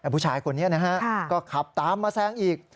ผู้ชายคนนี้นะฮะก็ขับตามมาแซงอีก